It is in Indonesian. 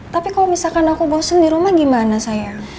tapi kalau misalkan aku bosen dirumah gimana sayang